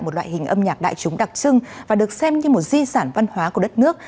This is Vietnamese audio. một loại hình âm nhạc đại chúng đặc trưng và được xem như một di sản văn hóa của đất nước